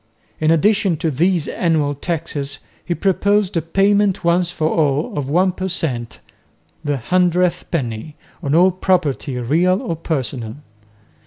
In addition to these annual taxes he proposed a payment once for all of one per cent., "the hundredth penny," on all property, real or personal.